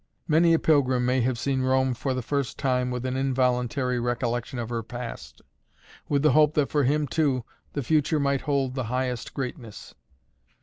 Many a pilgrim may have seen Rome for the first time with an involuntary recollection of her past, with the hope that for him, too, the future might hold the highest greatness.